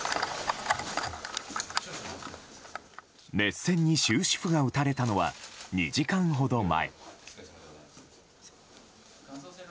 熱戦に終止符が打たれたのは２時間ほど前。